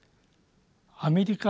アメリカ